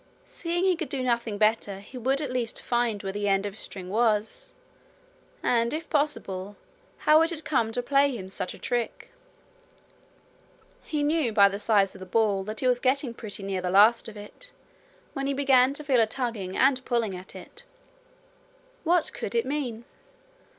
Seeing he could do nothing better he would at least find where the end of his string was, and, if possible, how it had come to play him such a trick. He knew by the size of the ball that he was getting pretty near the last of it, when he began to feel a tugging and pulling at it. What could it mean?